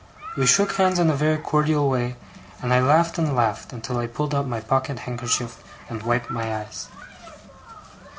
We shook hands in a very cordial way; and I laughed and laughed, until I pulled out my pocket handkerchief and wiped my eyes.